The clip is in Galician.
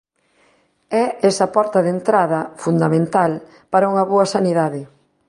É esa porta de entrada, fundamental, para unha boa sanidade.